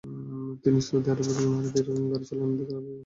তিনি সৌদি আরবে নারীদের গাড়ি চালানোর অধিকার আদায়ে সক্রীয় ছিলেন।